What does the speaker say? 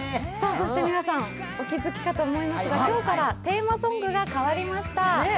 そして皆さん、お気付きかと思いますが、今日からテーマソングが変わりました。